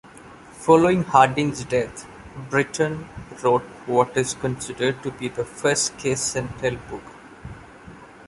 Following Harding's death, Britton wrote what is considered to be the first kiss-and-tell book.